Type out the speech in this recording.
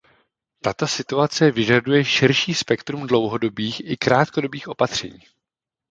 Tato situace vyžaduje širší spektrum dlouhodobých i krátkodobých opatření.